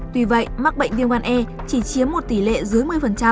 tuy vậy mắc bệnh viêm gan e chỉ chiếm một tỷ lệ dưới một mươi